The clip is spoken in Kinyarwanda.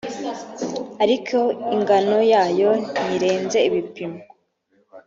ariko ingano yayo ntirenze ibipimo